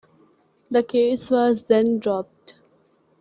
The case was then dropped.